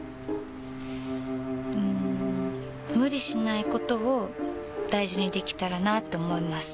うん無理しないことを大事にできたらなって思います。